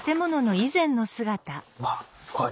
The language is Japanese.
わっすごい！